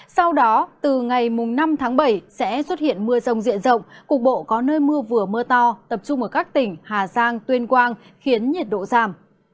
sau đó từ ngày năm tháng bảy sẽ xuất hiện mưa rông diện rộng cục bộ có nơi mưa vừa mưa to tập trung ở các tỉnh hà giang tuyên quang khiến nhiệt độ giảm